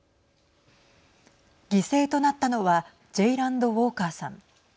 犠牲となったのはジェイランド・ウォーカーさん。